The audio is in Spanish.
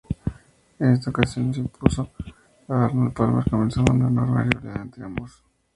En esta ocasión se impuso a Arnold Palmer comenzando una enorme rivalidad entre ambos.